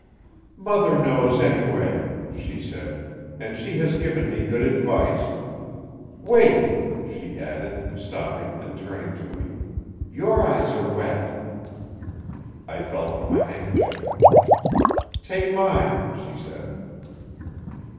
'Mother knows anyway,' she said, 'and she has given me good advice. Wait!' she added, stopping and turning to me. 'Your eyes are wet!' I felt for my handkerchief. 'Take mine,' she said.